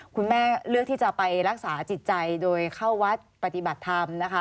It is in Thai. คุณแม่เลือกที่จะไปรักษาจิตใจโดยเข้าวัดปฏิบัติธรรมนะคะ